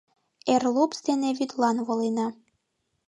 Эр лупс дене вӱдлан волена